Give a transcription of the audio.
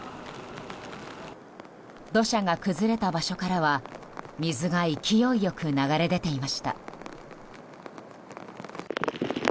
土砂が崩れた場所からは水が勢いよく流れ出ていました。